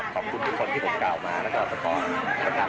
ขอบคุณทุกคนที่ผมกล่าวมาและทุกคนมาทางกลับไปกัน